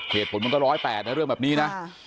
เหตุผลมันก็๑๐๘นะเรื่องแบบนี้นะ